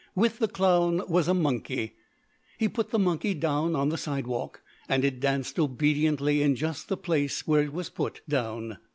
With the clown was a monkey. He put the monkey down on the sidewalk and it danced obediently in just the place where it was put down.